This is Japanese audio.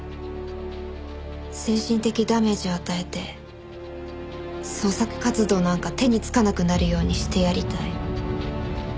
精神的ダメージを与えて創作活動なんか手につかなくなるようにしてやりたい。